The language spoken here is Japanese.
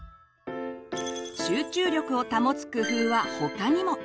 集中力を保つ工夫は他にも。